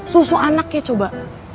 susu anaknya coba